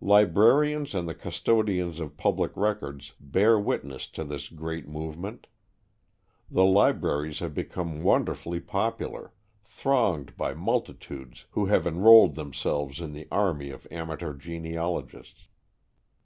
Librarians and the custodians of public records bear witness to this great movement. The libraries have become wonderfully popular, thronged by multitudes who have enrolled themselves in the army of amateur genealogists.